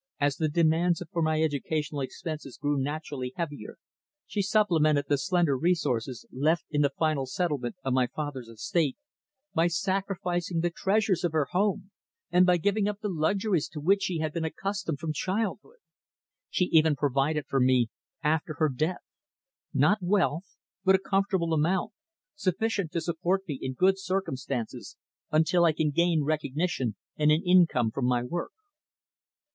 As the demands for my educational expenses grew naturally heavier, she supplemented the slender resources, left in the final settlement of my father's estate, by sacrificing the treasures of her home, and by giving up the luxuries to which she had been accustomed from childhood. She even provided for me after her death not wealth, but a comfortable amount, sufficient to support me in good circumstances until I can gain recognition and an income from my work."